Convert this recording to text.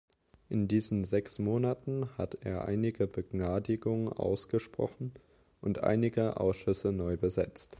In diesen sechs Monaten hat er einige Begnadigungen ausgesprochen und einige Ausschüsse neu besetzt.